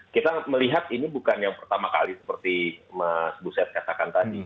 kita melihat ini bukan yang pertama kali seperti mas buset katakan tadi